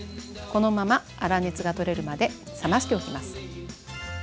このまま粗熱が取れるまで冷ましておきます。